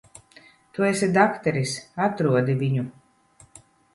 Tu esi dakteris. Atrodi viņu.